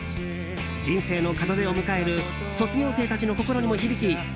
人生の門出を迎える卒業生たちの心にも響き